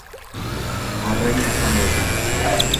Arraina jango dut.